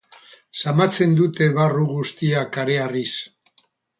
Zamatzen dute barru guztia kareharriz.